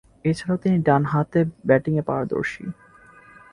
এছাড়াও তিনি ডানহাতে ব্যাটিংয়ে পারদর্শী।